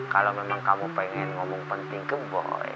kalau memang kamu pengen ngomong penting ke boy